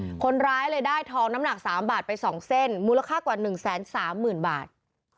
คนร้ายเลยได้ทองน้ำหนักสามบาทไปสองเส้นมูลค่ากว่าหนึ่งแสนสามหมื่นบาท